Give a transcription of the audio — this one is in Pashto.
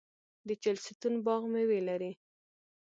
د چهلستون باغ میوې لري.